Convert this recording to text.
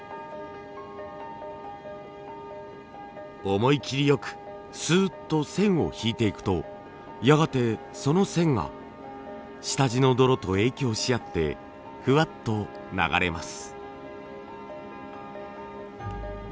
思い切りよくスーッと線を引いていくとやがてその線が下地の泥と影響しあってふわっと流れます。